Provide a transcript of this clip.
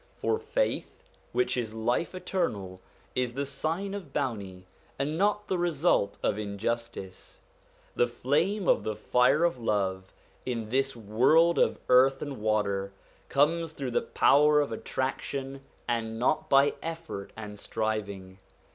For faith, which is life eternal, is the sign of bounty, and not the result of justice. The flame of the fire of love, in this world of earth and water, comes through the power of attraction and not by effort and striving.